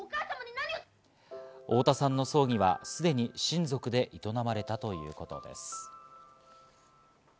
太田さんの葬儀はすでに親族で営まれたということです。